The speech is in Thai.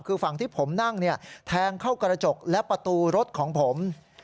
คือฝั่งที่ผมนั่งแทงเข้ากระจกและประตูรถของผม